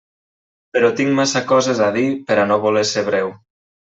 Però tinc massa coses a dir per a no voler ser breu.